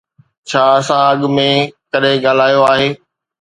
ڇا اسان اڳ ۾ ڪڏهن ڳالهايو آهي؟